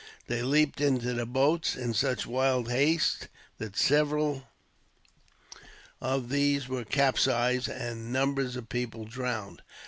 They leaped into the boats in such wild haste that several of these were capsized, and numbers of people drowned.